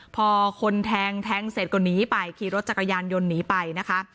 พอคนแทงแทงเสร็จก็หนีไปขี่รถจักรยานยนต์หนีไปนะคะ